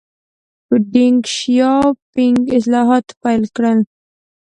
ډینګ شیاؤ پینګ اصلاحات پیل کړل.